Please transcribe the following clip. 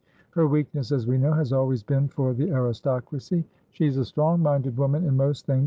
Her weakness, as we know, has always been for the aristocracy. She's a strong minded woman in most things.